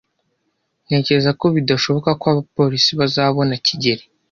Ntekereza ko bidashoboka ko abapolisi bazabona kigeli.